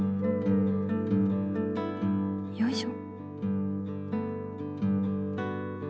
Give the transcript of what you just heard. よいしょ。